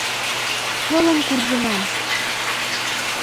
Шылын куржынам!..